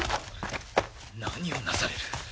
何をなされる。